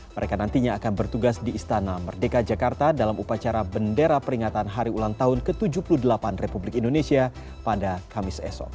mereka nantinya akan bertugas di istana merdeka jakarta dalam upacara bendera peringatan hari ulang tahun ke tujuh puluh delapan republik indonesia pada kamis esok